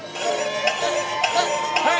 เฮ่ยไป